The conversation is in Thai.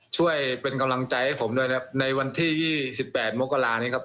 ช่วยเป็นกำลังใจให้ผมด้วยนะครับในวันที่๒๘มกรานี้ครับ